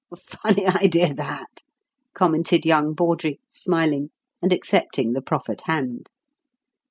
"Funny idea, that!" commented young Bawdrey, smiling, and accepting the proffered hand.